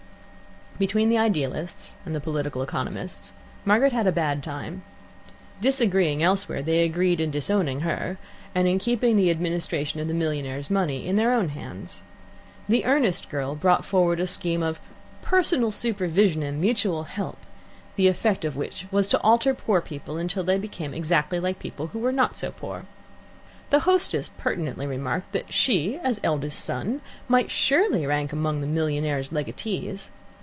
Between the idealists, and the political economists, Margaret had a bad time. Disagreeing elsewhere, they agreed in disowning her, and in keeping the administration of the millionaire's money in their own hands. The earnest girl brought forward a scheme of "personal supervision and mutual help," the effect of which was to alter poor people until they became exactly like people who were not so poor. The hostess pertinently remarked that she, as eldest son, might surely rank among the millionaire's legatees.